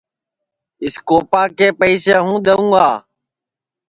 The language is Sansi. اِس کوپا کے پئسے ہوں دؔیوں گا